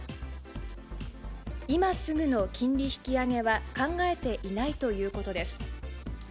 今すぐの金利引き上げは考えていないということです。